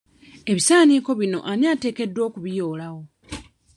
Ebisaaniiko bino ani ateekeddwa okubiyoolawo?